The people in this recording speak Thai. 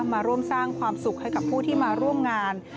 มาร่วมสร้างความสุขให้กับผู้ที่มาร่วมงาน